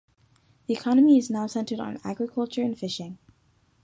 The economy is now centered on agriculture and fishing.